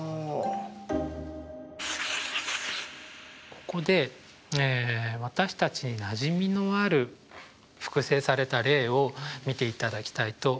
ここで私たちになじみのある複製された例を見ていただきたいと思います。